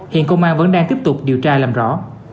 hiện công an vẫn đang tiếp tục điều tra làm rõ